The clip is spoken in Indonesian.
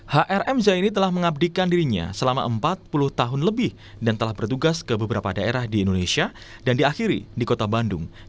hrm zaini telah mengabdikan dirinya selama empat puluh tahun lebih dan telah bertugas ke beberapa daerah di indonesia dan diakhiri di kota bandung